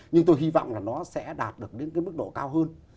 nhưng tôi hy vọng là nó sẽ đạt được đến cái mức độ cao hơn